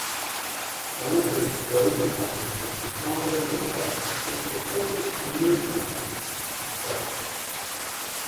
Jonathan Rosenbaum of the "Chicago Reader" called the film's murkiness a strength.